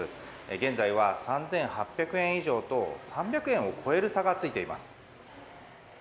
現在は３８００円以上と３００円を超える差がついています。